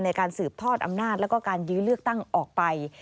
ในการสืบทอดอำนาจแล้วก็การยื้อเลือกตั้งออกไป